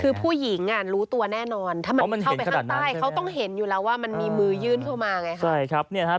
คือผู้หญิงรู้ตัวแน่นอนถ้ามันเข้าไปข้างใต้เขาต้องเห็นอยู่แล้วว่ามันมีมือยื่นเข้ามาไงค่ะ